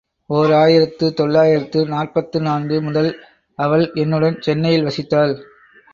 ஓர் ஆயிரத்து தொள்ளாயிரத்து நாற்பத்து நான்கு முதல் அவள் என்னுடன் சென்னையில் வசித்தாள்.